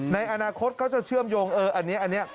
ในอนาคตเขาจะเชื่อมโยงอันนี้